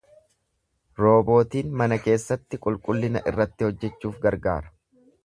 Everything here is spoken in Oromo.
Roobootiin mana keessatti qulqullina irratti hojjechuuf gargaara.